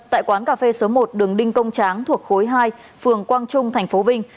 tại quán cà phê số một đường đinh công tráng thuộc khối hai phường quang trung thành phố vinh